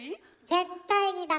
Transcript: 絶対にダメ。